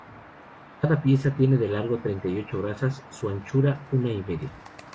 Cada pieza tiene de largo treinta y ocho brazas: su anchura, una y media.